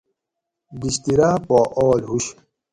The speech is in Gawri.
بِشتراۤ پا آل ہُش